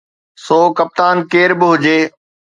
سو ڪپتان ڪير به هجي